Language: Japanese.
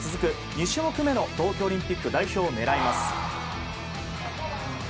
２種目めの東京オリンピック代表を狙います。